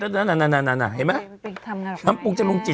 น่ะน่ะน่ะน่ะน่ะน่ะน่ะเห็นไหมไปไปทำงานดอกไม้น้ำปรุงจรุงจิต